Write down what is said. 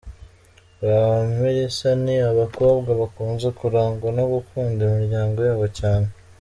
Ba Melissa ni abakobwa bakunze kurangwa no gukunda imiryango yabo cyane,.